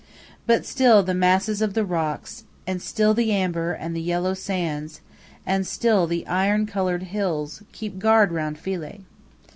But still the masses of the rocks, and still the amber and the yellow sands, and still the iron colored hills, keep guard round Philae.